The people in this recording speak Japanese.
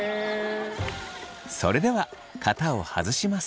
それでは型を外します。